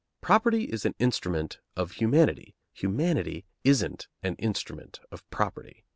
Property is an instrument of humanity; humanity isn't an instrument of property.